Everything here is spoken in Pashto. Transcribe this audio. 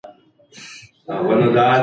کافین ځینو کسانو ته ستونزه جوړوي.